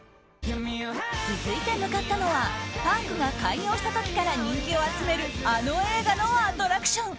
続いて向かったのはパークが開業した時から人気を集めるあの映画のアトラクション。